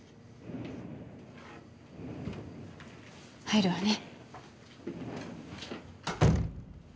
入るわね。